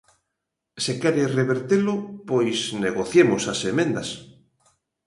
Se quere revertelo, pois negociemos as emendas.